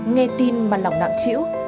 nghe tin mà lòng nặng chịu